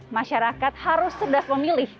masyarakat harus cerdas memilih